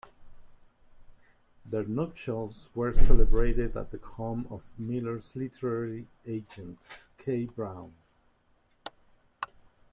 Their nuptials were celebrated at the home of Miller's literary agent, Kay Brown.